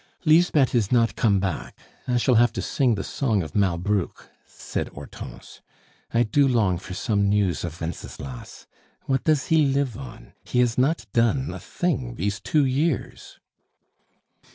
"Lisbeth is not come back. I shall have to sing the song of Malbrouck," said Hortense. "I do long for some news of Wenceslas! What does he live on? He has not done a thing these two years."